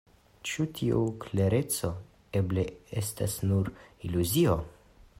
Ĉu tiu klereco eble estas nur iluzio?